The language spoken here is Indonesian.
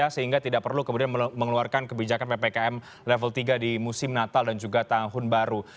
sehingga tidak perlu kemudian mengeluarkan kebijakan ppkm level tiga di musim natal dan juga tahun baru